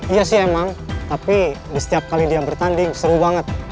iya sih emang tapi di setiap kali dia bertanding seru banget